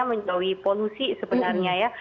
menjauhi polusi sebenarnya ya